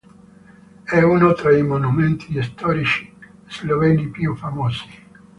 È uno tra i monumenti storici sloveni più famosi.